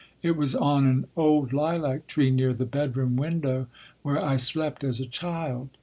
It was on an old lilac tree near the bedroom window where I slept as a child.